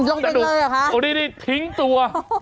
โอ้นี่ทิ้งตัว